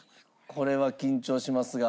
これは緊張しますが。